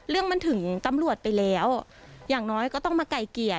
เรื่องมันถึงตำรวจไปแล้วอย่างน้อยก็ต้องมาไก่เกลี่ย